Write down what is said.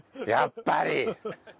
やっぱり！